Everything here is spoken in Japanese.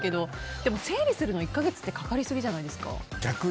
でも、整理するの１か月ってかかりすぎじゃないですか？